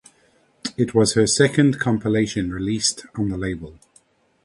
It was her second compilation released on the label.